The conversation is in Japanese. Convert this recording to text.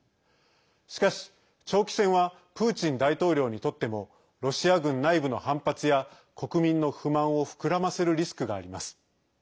しかし、長期戦はプーチン大統領にとってもロシア軍内部の反発や国民の不満を膨らませるリスクがあります。